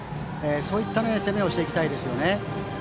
そういった攻めをしていきたいですね。